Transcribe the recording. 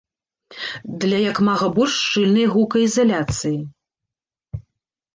Для як мага больш шчыльнай гукаізаляцыі.